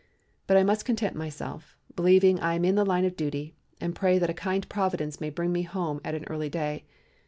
But I must content myself, believing I am in the line of duty and pray that a kind Providence may bring me home at an early day.